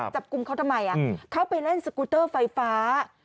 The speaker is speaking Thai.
จับกรุมเค้าทำไมอะเค้าไปเล่นสกู้เตอร์ไฟฟ้า